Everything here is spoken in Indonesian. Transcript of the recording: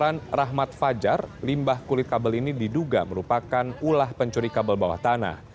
selain rahmat fajar limbah kulit kabel ini diduga merupakan ulah pencuri kabel bawah tanah